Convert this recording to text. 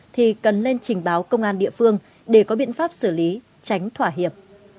thì cần lên trình báo công an địa phương để có biện pháp xử lý tránh thỏa hiệp